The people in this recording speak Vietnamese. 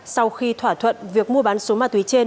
sau khi thỏa thuận việc mua bán số ma túy trên